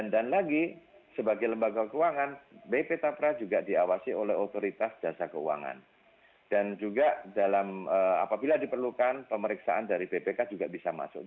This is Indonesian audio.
dan lagi sebagai lembaga keuangan bp tapra juga diawasi oleh otoritas jasa keuangan dan juga dalam apabila diperlukan pemeriksaan dari bpk juga bisa masuk